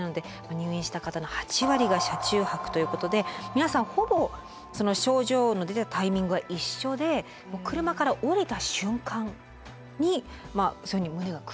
入院した方の８割が車中泊ということで皆さんほぼその症状の出たタイミングは一緒で車から降りた瞬間に胸が苦しくなったということなんです。